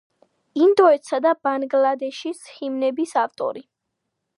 ინდოეთისა და ბანგლადეშის ჰიმნების ავტორი.